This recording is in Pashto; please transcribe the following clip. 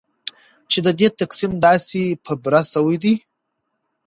چې ددې تقسیم داسي په بره سویدي